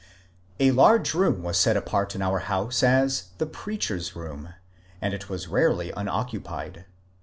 A large room was set apart in our house as *^ The Preach er's Soom/' and it was rarely unoccupied.